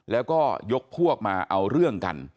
แล้วก็ยกพวกมาเอาเรื่องกัน